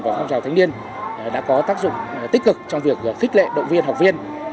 của công ty học thanh niên đã có tác dụng tích cực trong việc khích lệ động viên học viên